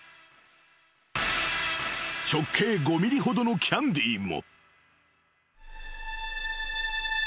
［直径５ｍｍほどのキャンディーも］